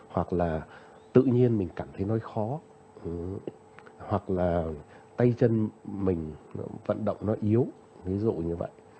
hoặc là tự nhiên mình cảm thấy nó khó hoặc là tay chân mình vận động nó yếu ví dụ như vậy